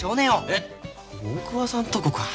えっ大桑さんとこか。